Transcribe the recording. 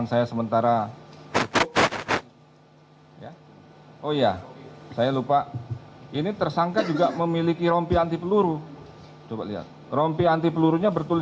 saya akan mencoba